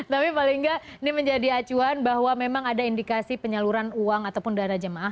tapi paling nggak ini menjadi acuan bahwa memang ada indikasi penyaluran uang ataupun dana jemaah